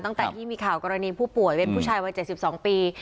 ตั้งแต่ที่มีข่าวกรณีผู้ป่วยเป็นผู้ชายวัย๗๒ปี